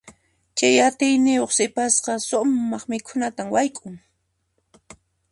Chay atiyniyuq sipasqa sumaq mikhunata wayk'un.